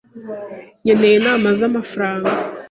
Nkeneye inama zamafaranga.